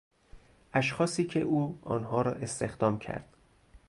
اشخاصی که او آنها را استخدام کرد